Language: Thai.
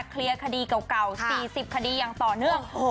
เคลียร์คดีเก่าเก่าสี่สิบคดียังต่อเนื่องโอ้โห